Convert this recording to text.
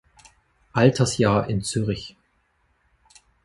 Altersjahr in Zürich.